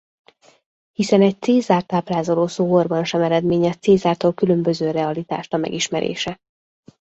Hiszen egy Caesart ábrázoló szoborban sem eredményez Caesartól különböző realitást a megismerése.